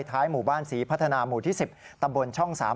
หมู่บ้านศรีพัฒนาหมู่ที่๑๐ตำบลช่อง๓